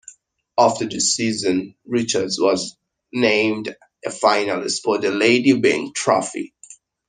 After the season, Richards was named a finalist for the Lady Byng Trophy.